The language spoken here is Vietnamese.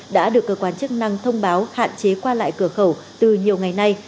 đã được cơ quan chức năng thông báo hạn chế qua lại cửa khẩu từ nhiều ngày nay